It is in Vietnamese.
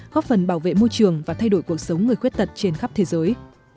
góp phần bảo vệ môi trường và thay đổi cuộc sống người khuyết tật trên khắp thế giới